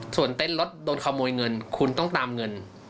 ส่วนเต้นรถโดนขโมยเงินคุณต้องตามเงิน